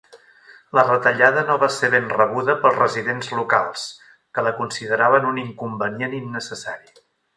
La retallada no va ser ben rebuda pels residents locals, que la consideraven un inconvenient innecessari.